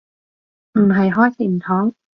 唔係開善堂